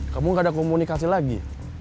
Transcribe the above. kamu gak ada komunikasi lagi